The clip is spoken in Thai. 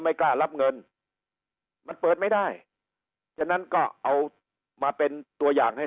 ไม่กล้ารับเงินมันเปิดไม่ได้ฉะนั้นก็เอามาเป็นตัวอย่างให้